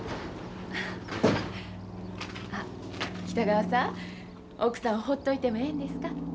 北川さん奥さんをほっといてもええんですか？